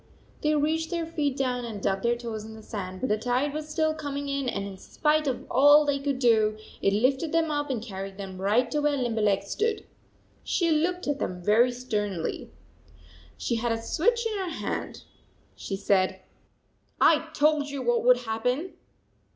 They reached their feet down and dug their toes in the sand, but the tide was still coming in, and in spite of all they could do, it lifted them up and carried them right to where Limberleg stood. She looked at them very sternly. She had a switch in her hand. She said: " I told you what would happen